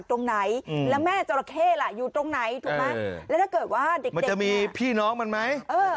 ตรงไหนถูกไหมแล้วถ้าเกิดว่าเด็กมันจะมีพี่น้องมันไหม